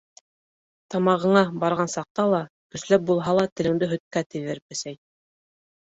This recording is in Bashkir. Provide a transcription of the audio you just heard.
Тамағыңа барған саҡта ла, көсләп булһа ла телеңде һөткә тейҙер, бесәй!